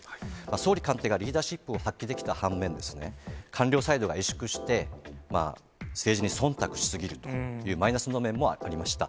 総理官邸がリーダーシップを発揮できた反面、官僚サイドが委縮して、政治にそんたくし過ぎるというマイナスの面もありました。